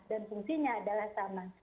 dan fungsinya adalah sama